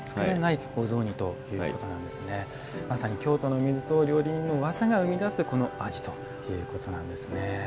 まさに京都の水と料理人の技が生み出すこの味ということになるんですね。